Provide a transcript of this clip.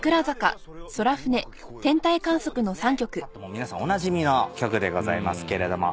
皆さんおなじみの曲でございますけれども。